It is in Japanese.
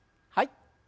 はい。